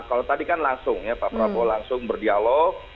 kalau tadi kan langsung ya pak prabowo langsung berdialog